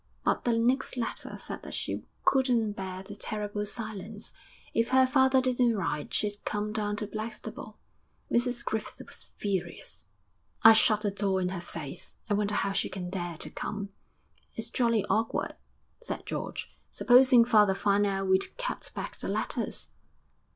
But the next letter said that she couldn't bear the terrible silence; if her father didn't write she'd come down to Blackstable. Mrs Griffith was furious. 'I'd shut the door in her face; I wonder how she can dare to come.' 'It's jolly awkward,' said George. 'Supposing father found out we'd kept back the letters?'